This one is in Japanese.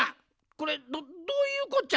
これどどういうこっちゃ！